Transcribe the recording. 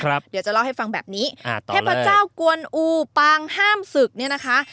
เดี๋ยวจะเล่าให้ฟังแบบนี้ครับเทพเจ้ากวนอูปางห้ามศึกเนี่ยนะคะ